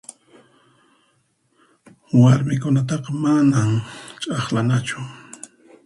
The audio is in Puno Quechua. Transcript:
Warmikunataqa mana ch'aqlanachu.